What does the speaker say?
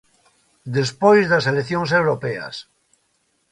Despois das eleccións europeas.